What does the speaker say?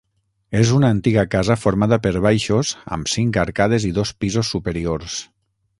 És una antiga casa formada per baixos, amb cinc arcades i dos pisos superiors.